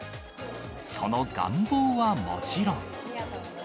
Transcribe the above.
その願望はもちろん。